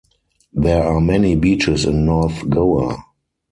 There are many beaches in North Goa.